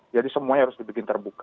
jadi semuanya harus dibuat terbuka